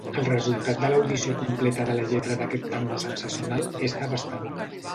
El resultat de l'audició completa de la lletra d'aquest tango sensacional és devastador.